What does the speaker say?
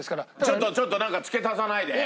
ちょっとちょっとなんか付け足さないで！